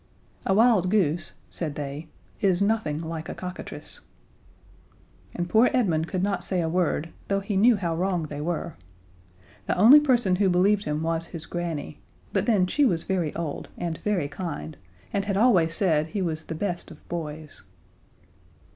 "A wild goose," said they, "is nothing like a cockatrice." And poor Edmund could not say a word, though he knew how wrong they were. The only person who believed him was his granny. But then she was very old and very kind, and had always said he was the best of boys.